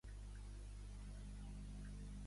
La mascota del Lane High School era Lane Lions.